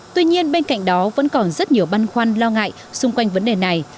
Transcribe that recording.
tuy nhiên bên cạnh đó vẫn còn rất nhiều băn khoăn lo ngại xung quanh vấn đề này